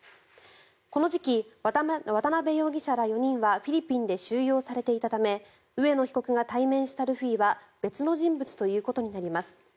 この時期、渡邉容疑者ら４人はフィリピンで収容されていたため上野被告が対面したルフィは別の人物ということになります。